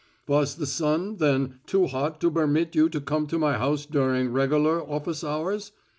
"Was the sun, then, too hot to bermit you to come to my house during regular office hours?